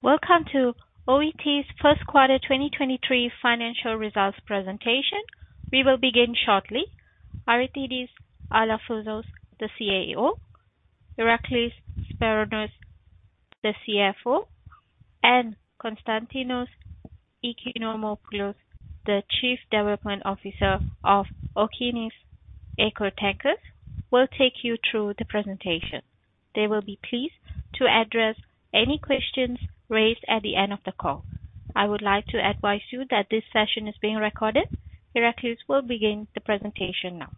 Welcome to OET's first quarter 2023 financial results presentation. We will begin shortly. Aristidis Alafouzos, the CEO, Iraklis Sbarounis, the CFO, and Konstantinos Oikonomopoulos, the Chief Development Officer of Okeanis Eco Tankers will take you through the presentation. They will be pleased to address any questions raised at the end of the call. I would like to advise you that this session is being recorded. Iraklis will begin the presentation now.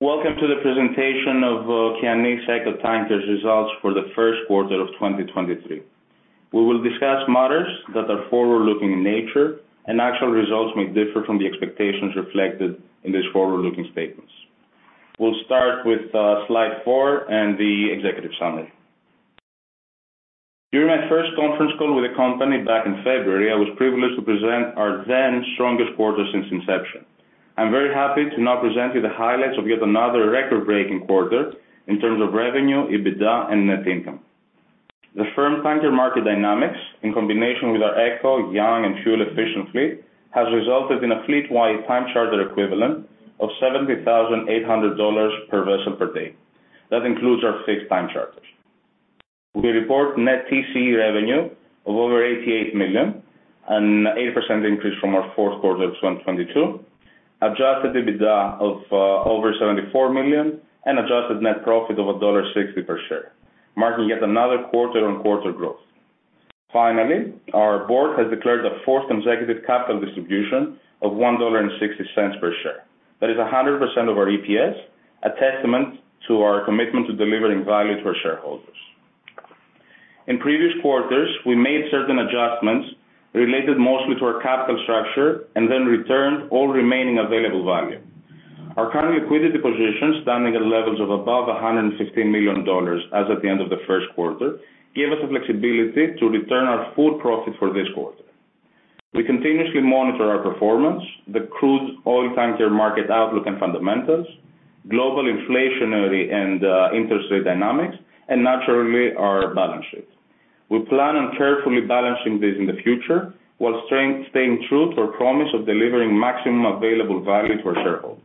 Welcome to the presentation of Okeanis Eco Tankers results for the first quarter of 2023. We will discuss matters that are forward-looking in nature, and actual results may differ from the expectations reflected in these forward-looking statements. We'll start with Slide 4 and the executive summary. During my first conference call with the company back in February, I was privileged to present our then strongest quarter since inception. I'm very happy to now present you the highlights of yet another record-breaking quarter in terms of revenue, EBITDA, and net income. The firm tanker market dynamics in combination with our eco, young, and fuel-efficient fleet has resulted in a fleet-wide time charter equivalent of $70,800 per vessel per day. That includes our fixed time charters. We report net TCE revenue of over $88 million, an 80% increase from our fourth quarter of 2022, adjusted EBITDA of over $74 million, and adjusted net profit of $1.60 per share, marking yet another quarter-on-quarter growth. Our board has declared a fourth consecutive capital distribution of $1.60 per share. That is 100% of our EPS, a testament to our commitment to delivering value to our shareholders. In previous quarters, we made certain adjustments related mostly to our capital structure and then returned all remaining available value. Our current liquidity position, standing at levels of above $115 million as at the end of the first quarter, gave us the flexibility to return our full profit for this quarter. We continuously monitor our performance, the crude oil tanker market outlook and fundamentals, global inflationary and interest rate dynamics, and naturally, our balance sheet. We plan on carefully balancing this in the future while staying true to our promise of delivering maximum available value to our shareholders.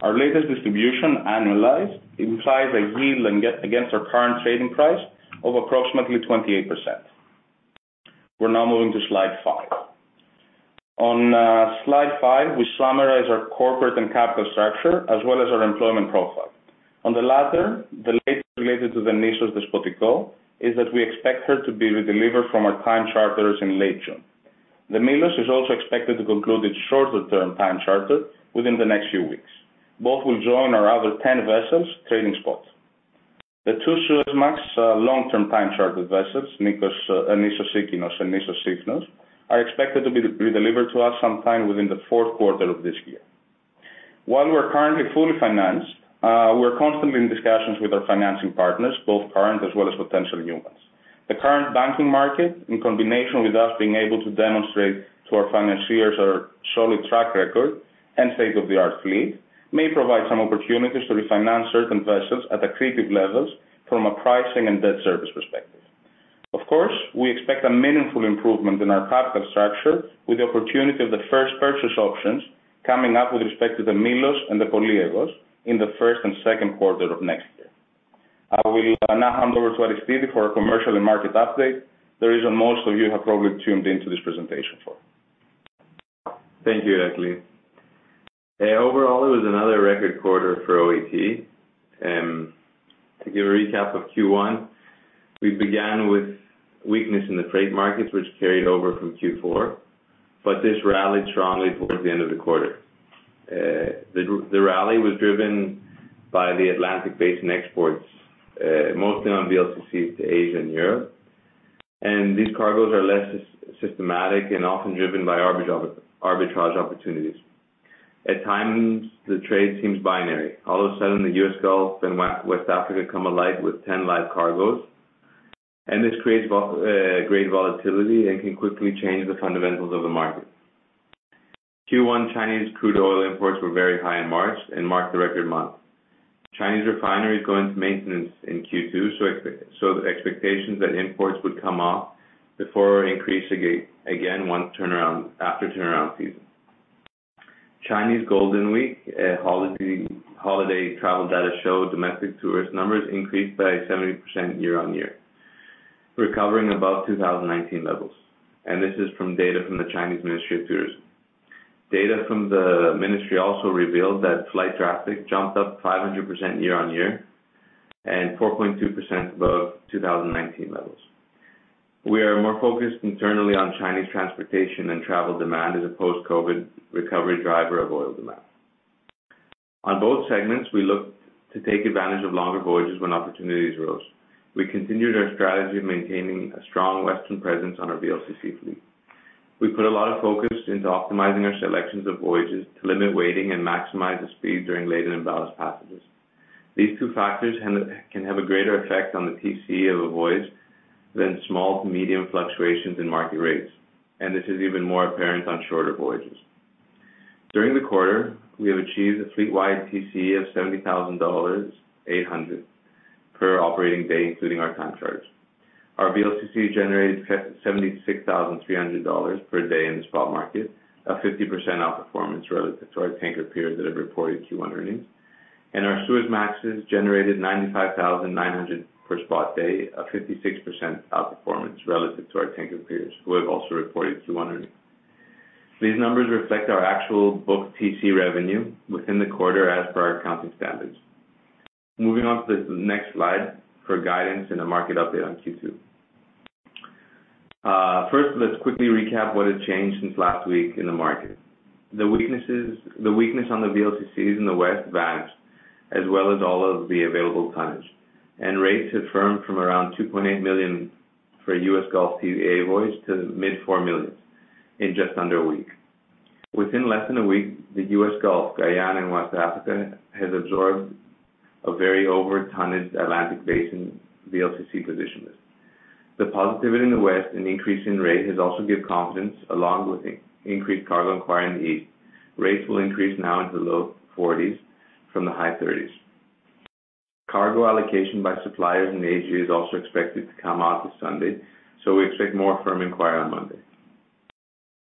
Our latest distribution annualized implies a yield against our current trading price of approximately 28%. We're now moving to Slide 5. On Slide 5, we summarize our corporate and capital structure as well as our employment profile. On the latter, the latest related to the Nissos Despotiko is that we expect her to be redelivered from our time charters in late June. The Milos is also expected to conclude its shorter-term time charter within the next few weeks. Both will join our other 10 vessels trading spots. The two Suezmax long-term time charter vessels, Nissos Sikinos and Nissos Sikinos, are expected to be de-redelivered to us sometime within the fourth quarter of this year. While we're currently fully financed, we're constantly in discussions with our financing partners, both current as well as potential new ones. The current banking market, in combination with us being able to demonstrate to our financiers our solid track record and state-of-the-art fleet, may provide some opportunities to refinance certain vessels at accretive levels from a pricing and debt service perspective. Of course, we expect a meaningful improvement in our capital structure with the opportunity of the first purchase options coming up with respect to the Milos and the Poliegos in the first and second quarter of next year. I will now hand over to Aristidis for a commercial and market update. The reason most of you have probably tuned into this presentation for. Thank you, Iraklis. Overall, it was another record quarter for OET. To give a recap of Q1, we began with weakness in the trade markets, which carried over from Q4, this rallied strongly towards the end of the quarter. The rally was driven by the Atlantic Basin exports, mostly on VLCCs to Asia and Europe. These cargoes are less systematic and often driven by arbitrage opportunities. At times, the trade seems binary. All of a sudden, the U.S. Gulf and West Africa come alive with 10 live cargoes, this creates great volatility and can quickly change the fundamentals of the market. Q1 Chinese crude oil imports were very high in March and marked a record month. Chinese refineries go into maintenance in Q2, so the expectations that imports would come off before increase again once turnaround, after turnaround season. Chinese Golden Week holiday travel data show domestic tourist numbers increased by 70% year-on-year, recovering above 2019 levels, and this is from data from the Chinese Ministry of Tourism. Data from the Ministry also revealed that flight traffic jumped up 500% year-on-year and 4.2% above 2019 levels. We are more focused internally on Chinese transportation and travel demand as a post-COVID recovery driver of oil demand. On both segments, we look to take advantage of longer voyages when opportunities arose. We continued our strategy of maintaining a strong western presence on our VLCC fleet. We put a lot of focus into optimizing our selections of voyages to limit waiting and maximize the speed during laden and ballast passages. These two factors can have a greater effect on the TCE of a voyage than small to medium fluctuations in market rates. This is even more apparent on shorter voyages. During the quarter, we have achieved a fleet-wide TC of $70,800 per operating day, including our time charge. Our VLCC generated $76,300 per day in the spot market, a 50% outperformance relative to our tanker peers that have reported Q1 earnings. Our Suezmaxes generated $95,900 per spot day, a 56% outperformance relative to our tanker peers who have also reported Q1 earnings. These numbers reflect our actual booked TC revenue within the quarter as per our accounting standards. Moving on to the next slide for guidance and a market update on Q2. First, let's quickly recap what has changed since last week in the market. The weakness on the VLCCs in the West vanished, as well as all of the available tonnage, and rates have firmed from around $2.8 million for U.S. Gulf CDA voyage to $4 million in just under a week. Within less than a week, the U.S. Gulf, Guyana, and West Africa has absorbed a very overtonnage Atlantic Basin VLCC position. The positivity in the West and increase in rate has also give confidence, along with increased cargo inquiry in the East. Rates will increase now into the low 40s from the high 30s. Cargo allocation by suppliers in the AG is also expected to come out this Sunday. We expect more firm inquiry on Monday.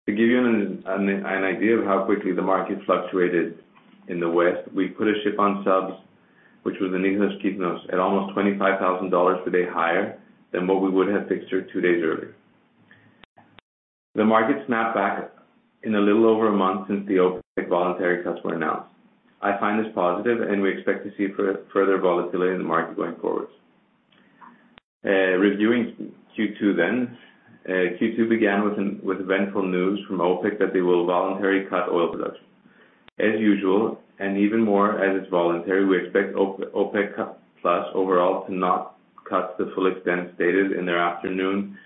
To give you an idea of how quickly the market fluctuated in the West, we put a ship on subs, which was the Nissos Kythnos, at almost $25,000 per day higher than what we would have fixed her two days earlier. The market snapped back in a little over a month since the OPEC voluntary cuts were announced. I find this positive, and we expect to see further volatility in the market going forward. Reviewing Q2 then. Q2 began with eventful news from OPEC that they will voluntarily cut oil production. As usual, and even more as it's voluntary, we expect OPEC+ overall to not cut the full extent stated in their afternoon,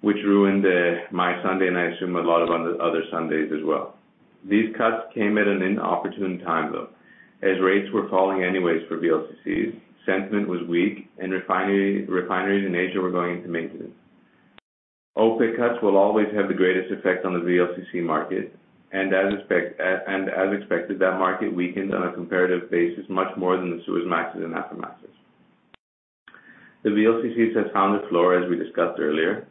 which ruined my Sunday, and I assume a lot of other Sundays as well. These cuts came at an inopportune time, though. As rates were falling anyways for VLCCs, sentiment was weak, and refineries in Asia were going into maintenance. OPEC cuts will always have the greatest effect on the VLCC market, and as expected, that market weakened on a comparative basis much more than the Suezmaxes and Aframaxes. The VLCCs has found a floor, as we discussed earlier,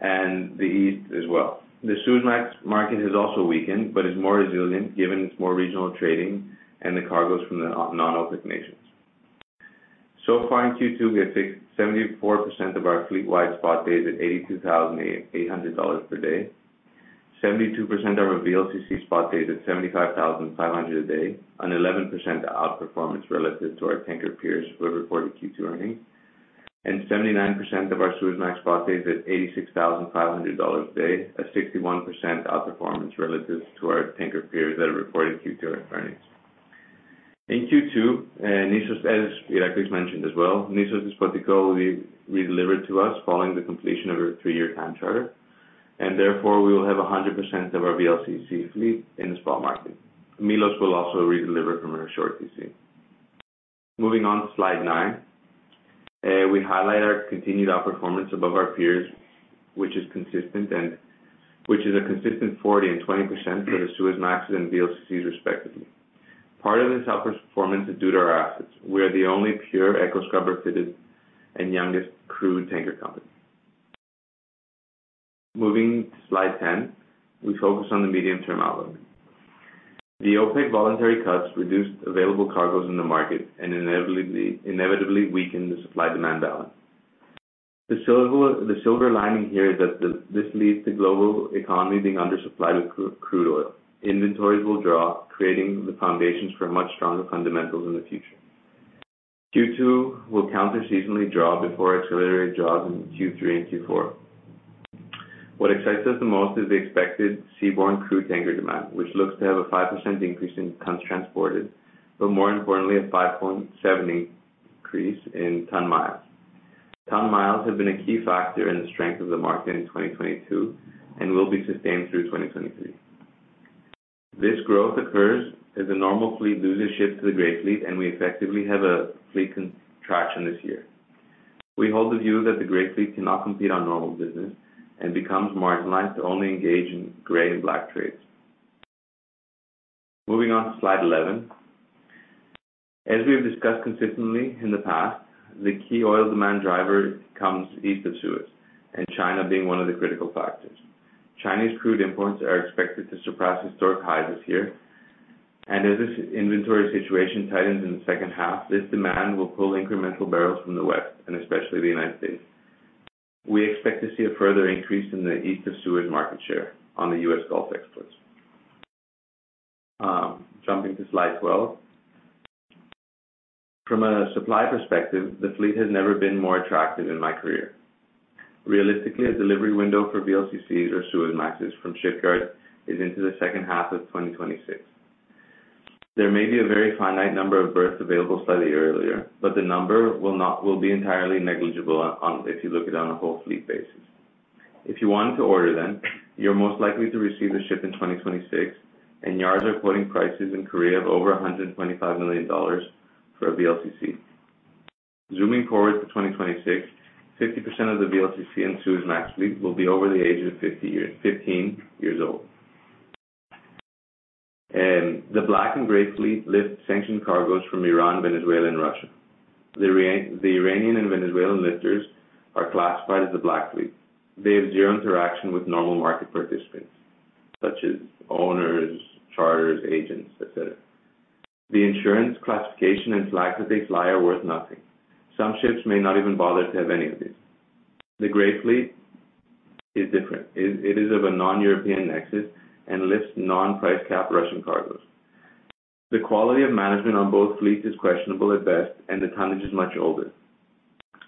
and the East as well. The Suezmax market has also weakened, but is more resilient given its more regional trading and the cargoes from the non-OPEC nations. Far in Q2, we have fixed 74% of our fleet-wide spot days at $82,800 per day, 72% of our VLCC spot days at $75,500 a day, an 11% outperformance relative to our tanker peers who have reported Q2 earnings, and 79% of our Suezmax spot days at $86,500 a day, a 61% outperformance relative to our tanker peers that have reported Q2 earnings. In Q2, Nissos as Iraklis mentioned as well, Nissos Despotiko redelivered to us following the completion of our three-year time charter. Therefore, we will have 100% of our VLCC fleet in the spot market. Milos will also redeliver from our short TC. Moving on to Slide 9. We highlight our continued outperformance above our peers, which is consistent and which is a consistent 40% and 20% for the Suezmaxes and VLCCs respectively. Part of this outperformance is due to our assets. We are the only pure eco scrubber-fitted and youngest crude tanker company. Moving to Slide 10, we focus on the medium-term outlook. The OPEC voluntary cuts reduced available cargoes in the market and inevitably weakened the supply-demand balance. The silver lining here that this leads to global economy being undersupplied with crude oil. Inventories will drop, creating the foundations for much stronger fundamentals in the future. Q2 will counter-seasonally draw before accelerated draws in Q3 and Q4. What excites us the most is the expected seaborne crude tanker demand, which looks to have a 5% increase in tons transported, but more importantly, a 5.7 increase in ton-miles. Ton miles have been a key factor in the strength of the market in 2022 and will be sustained through 2023. This growth occurs as the normal fleet loses ships to the gray fleet, and we effectively have a fleet contraction this year. We hold the view that the gray fleet cannot compete on normal business and becomes marginalized to only engage in gray and black trades. Moving on to Slide 11. As we have discussed consistently in the past, the key oil demand driver comes East of Suez, and China being one of the critical factors. Chinese crude imports are expected to surpass historic highs this year. As this inventory situation tightens in the second half, this demand will pull incremental barrels from the West, and especially the United States. We expect to see a further increase in the East of Suez market share on the U.S. Gulf exports. Jumping to Slide 12. From a supply perspective, the fleet has never been more attractive in my career. Realistically, a delivery window for VLCCs or Suezmaxes from shipyards is into the second half of 2026. There may be a very finite number of berths available slightly earlier, but the number will be entirely negligible if you look at it on a whole fleet basis. If you want to order then, you're most likely to receive the ship in 2026, and yards are quoting prices in Korea of over $125 million for a VLCC. Zooming forward to 2026, 50% of the VLCC and Suezmax fleet will be over the age of 50 years, 15 years old. The black and gray fleet lift sanctioned cargoes from Iran, Venezuela and Russia. The Iranian and Venezuelan lifters are classified as the black fleet. They have zero interaction with normal market participants such as owners, charters, agents, et cetera. The insurance classification and flags that they fly are worth nothing. Some ships may not even bother to have any of these. The gray fleet is different. It is of a non-European nexus and lifts non-price cap Russian cargoes. The quality of management on both fleets is questionable at best, and the tonnage is much older.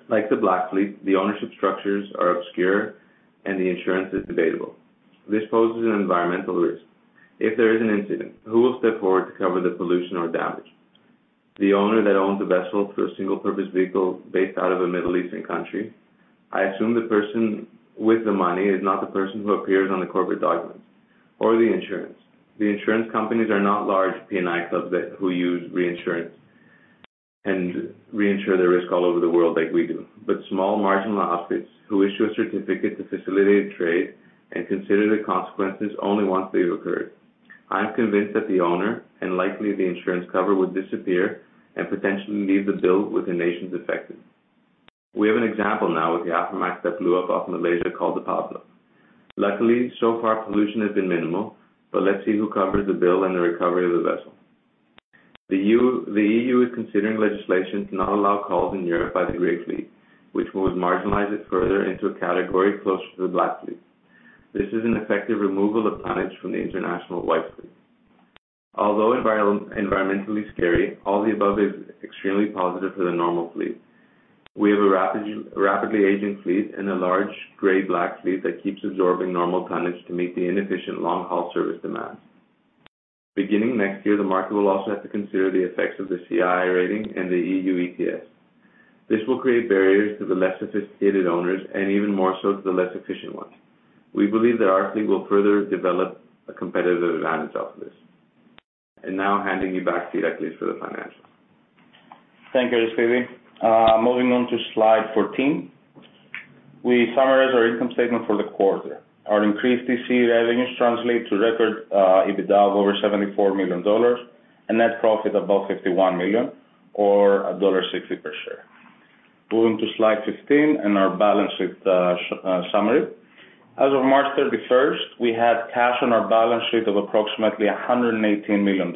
Like the black fleet, the ownership structures are obscure and the insurance is debatable. This poses an environmental risk. If there is an incident, who will step forward to cover the pollution or damage? The owner that owns a vessel through a single purpose vehicle based out of a Middle Eastern country? I assume the person with the money is not the person who appears on the corporate documents. Or the insurance. The insurance companies are not large P&I clubs that who use reinsurance and reinsure the risk all over the world like we do, but small marginal outfits who issue a certificate to facilitate trade and consider the consequences only once they've occurred. I'm convinced that the owner and likely the insurance cover would disappear and potentially leave the bill with the nations affected. We have an example now with the Aframax that blew up off Malaysia called the Pablo. Luckily, so far pollution has been minimal, but let's see who covers the bill and the recovery of the vessel. The EU is considering legislation to not allow calls in Europe by the gray fleet, which would marginalize it further into a category closer to the black fleet. This is an effective removal of tonnage from the international white fleet. Although environmentally scary, all the above is extremely positive for the normal fleet. We have a rapidly aging fleet and a large gray/black fleet that keeps absorbing normal tonnage to meet the inefficient long-haul service demand. Beginning next year, the market will also have to consider the effects of the CII rating and the EU ETS. This will create barriers to the less sophisticated owners and even more so to the less efficient ones. We believe that our fleet will further develop a competitive advantage off this. Now handing you back to Iraklis for the financials. Thank you, Aristidis. Moving on to Slide 14, we summarize our income statement for the quarter. Our increased TC revenues translate to record EBITDA of over $74 million and net profit above $51 million or $1.60 per share. Moving to Slide 15 and our balance sheet summary. As of March 31st, we had cash on our balance sheet of approximately $118 million.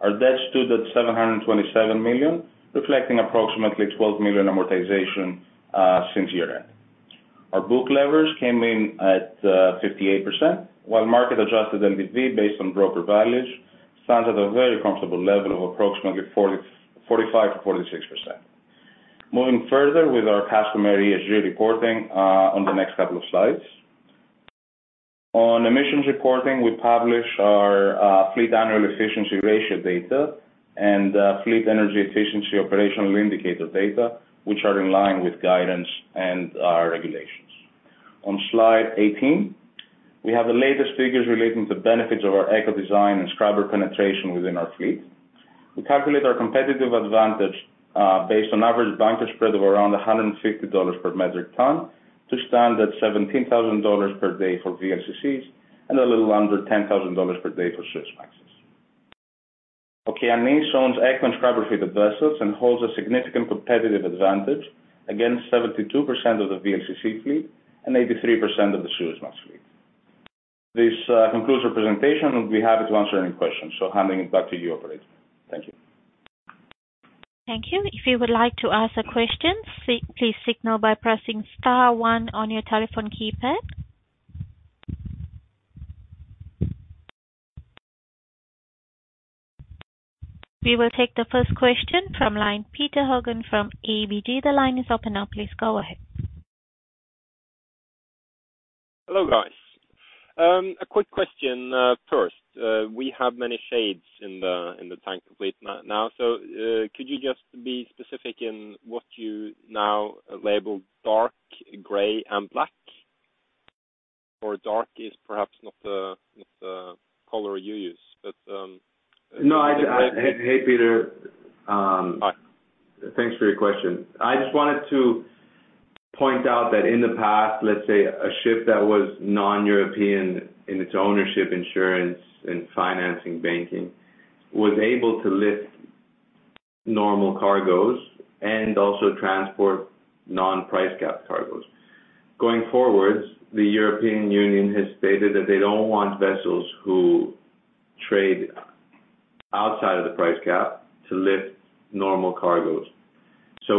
Our debt stood at $727 million, reflecting approximately $12 million amortization since year-end. Our book leverage came in at 58%, while market adjusted NPV based on broker values stands at a very comfortable level of approximately 45%-46%. Moving further with our customary ESG reporting on the next couple of slides. On emissions reporting, we publish our fleet annual efficiency ratio data and fleet energy efficiency operational indicator data, which are in line with guidance and our regulations. On Slide 18, we have the latest figures relating to benefits of our eco design and scrubber penetration within our fleet. We calculate our competitive advantage based on average bunker spread of around $150 per metric ton to stand at $17,000 per day for VLCCs and a little under $10,000 per day for Suezmax. Okeanis owns eco and scrubber-fitted vessels and holds a significant competitive advantage against 72% of the VLCC fleet and 83% of the Suezmax fleet. This concludes our presentation, and we're happy to answer any questions. Handing it back to you, operator. Thank you. Thank you. If you would like to ask a question, please signal by pressing star one on your telephone keypad. We will take the first question from line, Peter Hogan from ABG. The line is open now. Please go ahead. Hello, guys. A quick question, first. We have many shades in the, in the tanker fleet now. Could you just be specific in what you now label dark, gray and black? Or dark is perhaps not the color you use, but- No, I just. Hey, Peter. Hi. Thanks for your question. I just wanted to point out that in the past, let's say a ship that was non-European in its ownership, insurance and financing banking was able to lift normal cargoes and also transport non-price cap cargoes. Going forwards, the European Union has stated that they don't want vessels who trade outside of the price cap to lift normal cargoes.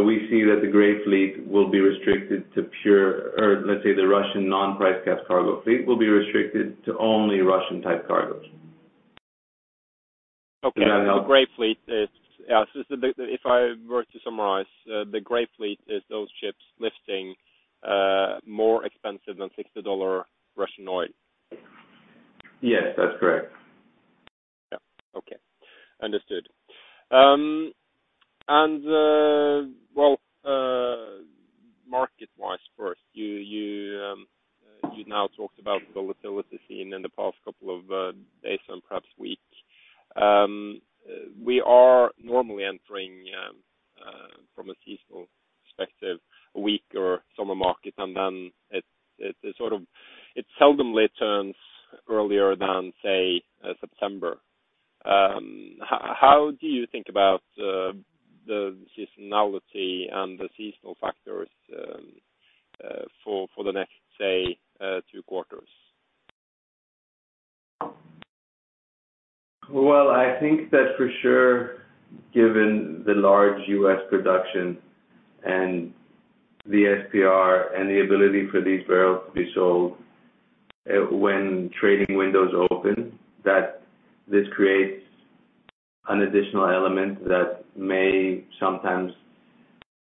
We see that the gray fleet will be restricted to Or let's say the Russian non-price cap cargo fleet will be restricted to only Russian type cargoes. Okay. Does that help? The gray fleet is. Yeah, if I were to summarize, the gray fleet is those ships lifting more expensive than $60 Russian oil. Yes, that's correct. Yeah. Okay. Understood. Well, Market-wise first, you now talked about volatility seen in the past couple of days and perhaps weeks. We are normally entering from a seasonal perspective, a week or summer market, and then it sort of, it seldomly turns earlier than, say, September. How do you think about the seasonality and the seasonal factors for the next, say, two quarters? I think that for sure, given the large U.S. production and the SPR and the ability for these barrels to be sold, when trading windows open, that this creates an additional element that may sometimes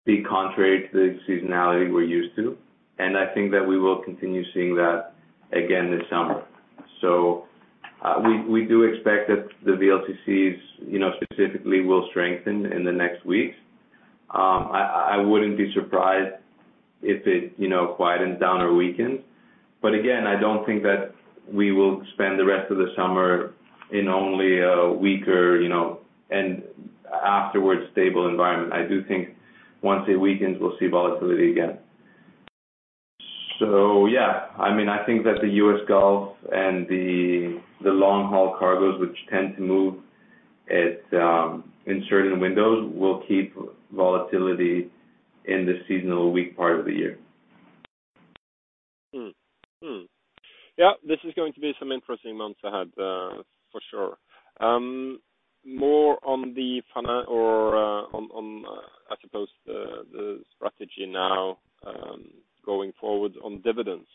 be contrary to the seasonality we're used to. I think that we will continue seeing that again this summer. We do expect that the VLCCs, you know, specifically will strengthen in the next weeks. I wouldn't be surprised if it, you know, quietens down or weakens. Again, I don't think that we will spend the rest of the summer in only a weaker, you know, and afterwards stable environment. I do think once it weakens, we'll see volatility again. Yeah, I mean, I think that the U.S. Gulf and the long-haul cargos which tend to move at in certain windows will keep volatility in the seasonal weak part of the year. Yeah, this is going to be some interesting months ahead for sure. More on the strategy now going forward on dividends.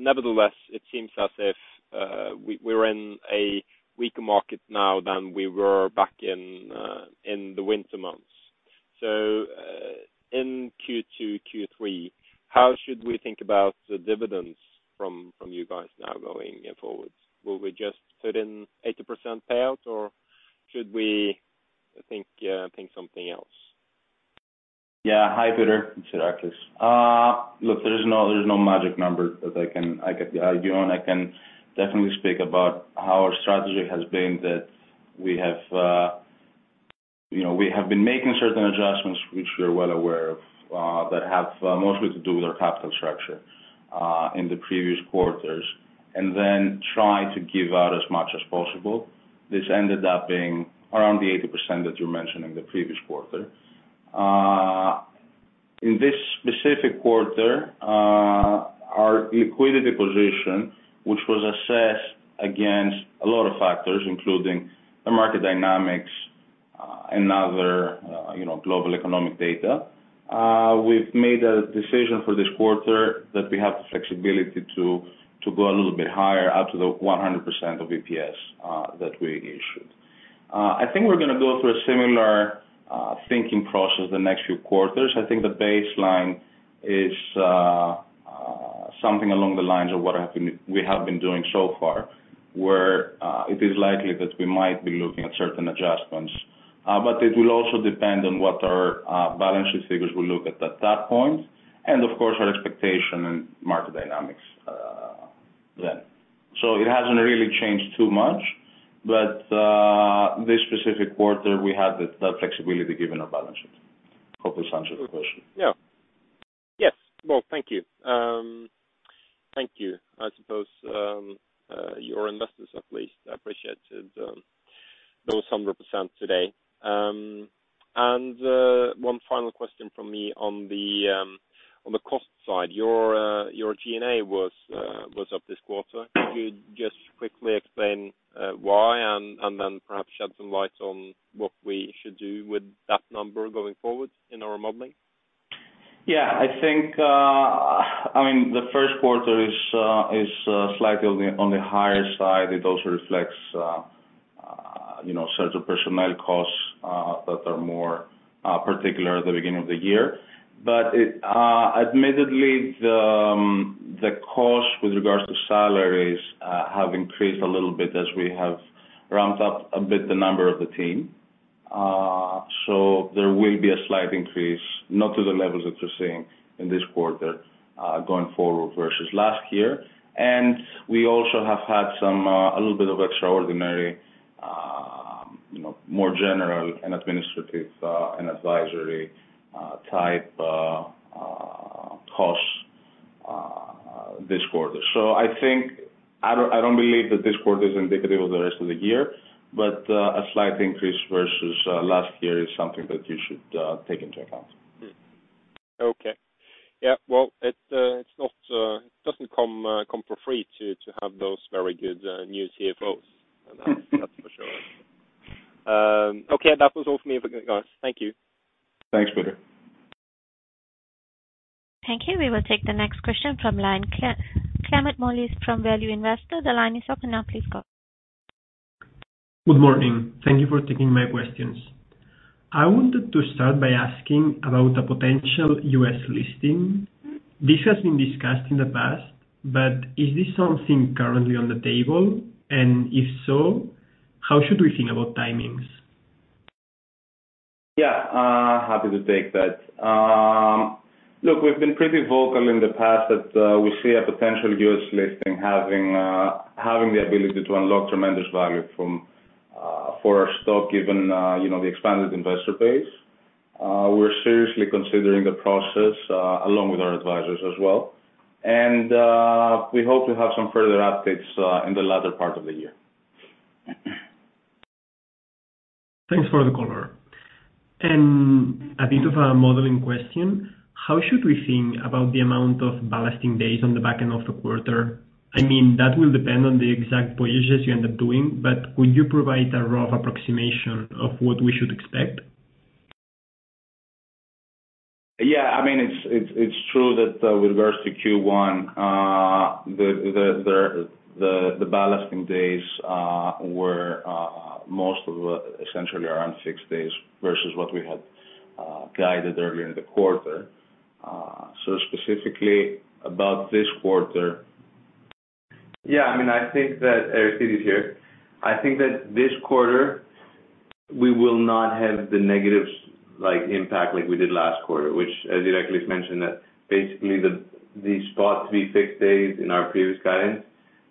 Nevertheless, it seems as if we're in a weaker market now than we were back in the winter months. In Q2, Q3, how should we think about the dividends from you guys now going forwards? Will we just put in 80% payout, or should we think something else? Yeah. Hi, Peter. It's Aristidis. Look, there's no, there's no magic number that I can give you on. I can definitely speak about how our strategy has been that we have, you know, we have been making certain adjustments, which we're well aware of, that have mostly to do with our capital structure in the previous quarters, and then try to give out as much as possible. This ended up being around the 80% that you mentioned in the previous quarter. In this specific quarter, our liquidity position, which was assessed against a lot of factors, including the market dynamics, and other, you know, global economic data, we've made a decision for this quarter that we have the flexibility to go a little bit higher up to the 100% of EPS that we issued. I think we're gonna go through a similar thinking process the next few quarters. I think the baseline is something along the lines of what we have been doing so far, where it is likely that we might be looking at certain adjustments. It will also depend on what our balance sheet figures will look at that point, and of course, our expectation in market dynamics then. It hasn't really changed too much. This specific quarter, we have the flexibility given our balance sheet. Hope this answers your question. Yeah. Yes. Well, thank you. Thank you. I suppose your investors, at least, appreciated those 100% today. One final question from me on the cost side. Your G&A was up this quarter. Could you just quickly explain why and then perhaps shed some light on what we should do with that number going forward in our modeling? Yeah. I think, I mean, the first quarter is slightly on the higher side. It also reflects, you know, certain personnel costs that are more particular at the beginning of the year. It admittedly the cost with regards to salaries have increased a little bit as we have ramped up a bit the number of the team. There will be a slight increase, not to the levels that we're seeing in this quarter, going forward versus last year. We also have had some a little bit of extraordinary, you know, more general and administrative and advisory type costs this quarter. I think... I don't believe that this quarter is indicative of the rest of the year, but a slight increase versus last year is something that you should take into account. Okay. Yeah. Well, it doesn't come for free to have those very good new CFOs. That's for sure. Okay. That was all for me for you guys. Thank you. Thanks, Peter. Thank you. We will take the next question from line Clément Molin from Kepler Cheuvreux. The line is open now. Please go. Good morning. Thank you for taking my questions. I wanted to start by asking about a potential U.S. listing. This has been discussed in the past. Is this something currently on the table? If so, how should we think about timings? Yeah. Happy to take that. Look, we've been pretty vocal in the past that, we see a potential U.S. listing having the ability to unlock tremendous value from, for our stock, given, you know, the expanded investor base. We're seriously considering the process, along with our advisors as well. We hope to have some further updates, in the latter part of the year. Thanks for the color. A bit of a modeling question. How should we think about the amount of ballasting days on the back end of the quarter? I mean, that will depend on the exact voyages you end up doing but could you provide a rough approximation of what we should expect? Yeah. I mean, it's true that, with regards to Q1, the ballasting days were essentially around 6 days versus what we had guided earlier in the quarter. Specifically about this quarter... Yeah. I mean, I think that, Iraklis, Steve is here. I think that this quarter we will not have the negatives like impact like we did last quarter, which as Iraklis mentioned, that basically the spot three fixed days in our previous guidance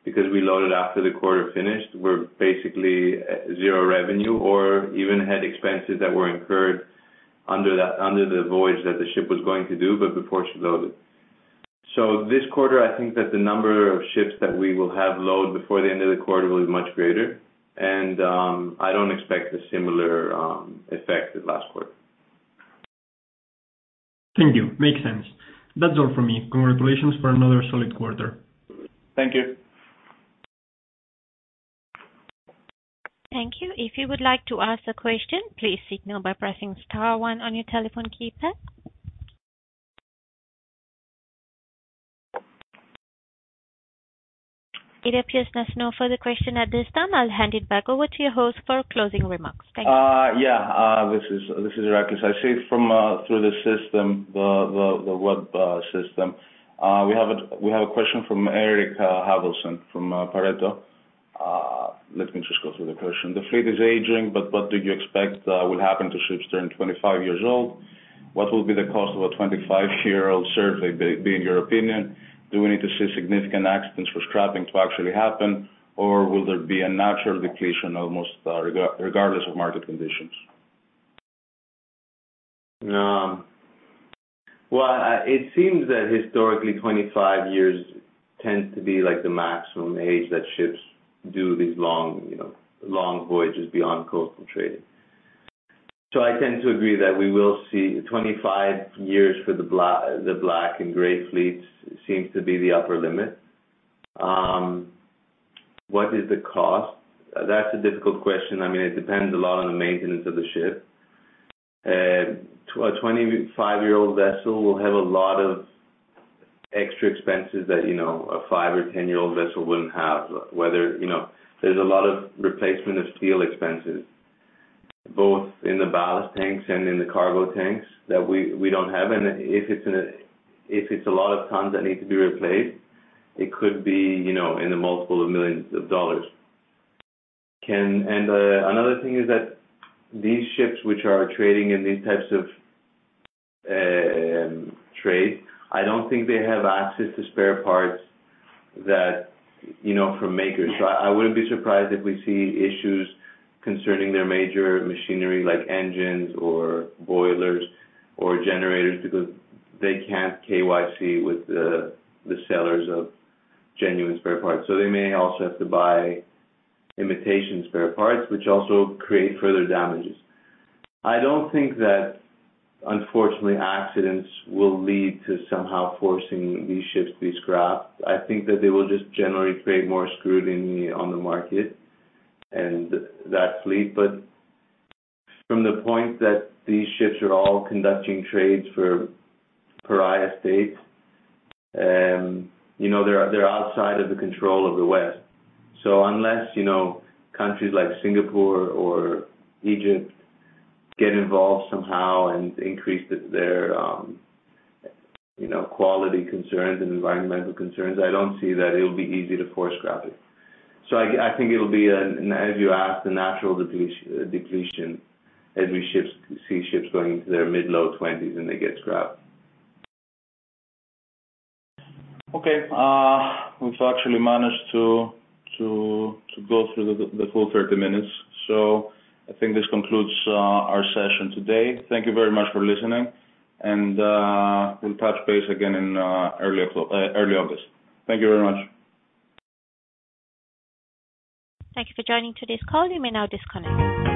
because we loaded after the quarter finished were basically zero revenue or even had expenses that were incurred under the voyage that the ship was going to do but before she loaded. This quarter, I think that the number of ships that we will have load before the end of the quarter will be much greater. I don't expect a similar effect as last quarter. Thank you. Makes sense. That's all for me. Congratulations for another solid quarter. Thank you. Thank you. If you would like to ask a question, please signal by pressing star one on your telephone keypad. It appears there's no further question at this time. I'll hand it back over to your host for closing remarks. Thank you. Yeah. This is Iraklis. I see from through the system, the web system. We have a question from Eirik Haavaldsen from Pareto. Let me just go through the question. The fleet is aging. What do you expect will happen to ships turning 25 years old? What will be the cost of a 25-year-old survey be in your opinion? Do we need to see significant accidents for scrapping to actually happen, or will there be a natural depletion almost regardless of market conditions? Well, it seems that historically, 25 years tends to be like the maximum age that ships do these long, you know, long voyages beyond coastal trading. I tend to agree that we will see 25 years for the black and gray fleets seems to be the upper limit. What is the cost? That's a difficult question. I mean, it depends a lot on the maintenance of the ship. A 25-year-old vessel will have a lot of extra expenses that, you know, a five or 10-year-old vessel wouldn't have. Whether, you know, there's a lot of replacement of steel expenses, both in the ballast tanks and in the cargo tanks that we don't have. If it's a lot of tons that need to be replaced, it could be, you know, in the multiple of millions of dollars. Another thing is that these ships which are trading in these types of trade, I don't think they have access to spare parts that, you know, from makers. I wouldn't be surprised if we see issues concerning their major machinery like engines or boilers or generators because they can't KYC with the sellers of genuine spare parts. They may also have to buy imitation spare parts which also create further damages. I don't think that unfortunately, accidents will lead to somehow forcing these ships to be scrapped. I think that they will just generally create more scrutiny on the market and that fleet. From the point that these ships are all conducting trades for pariah states, you know, they're outside of the control of the West. Unless, you know, countries like Singapore or Egypt get involved somehow and increase their, you know, quality concerns and environmental concerns, I don't see that it'll be easy to force scrap it. I think it'll be an, as you asked, a natural depletion as these ships going into their mid, low twenties, and they get scrapped. Okay. we've actually managed to go through the full thirty minutes. I think this concludes, our session today. Thank you very much for listening and, we'll touch base again in, early August. Thank you very much. Thank you for joining today's call. You may now disconnect.